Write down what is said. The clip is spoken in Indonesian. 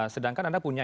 sedangkan anda punya